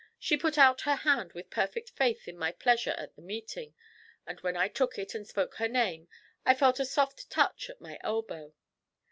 She put out her hand with perfect faith in my pleasure at the meeting; and when I took it and spoke her name, I felt a soft touch at my elbow.